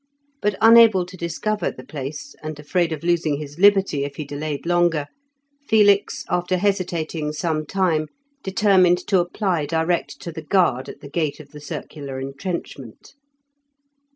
But unable to discover the place, and afraid of losing his liberty if he delayed longer, Felix, after hesitating some time, determined to apply direct to the guard at the gate of the circular entrenchment.